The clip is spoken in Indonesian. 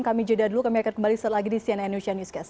kami jodha dulu kami akan kembali setelah ini di cnn newscast